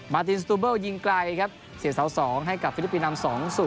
ตินสตูเบิลยิงไกลครับเสียเสา๒ให้กับฟิลิปปินส์นำ๒๐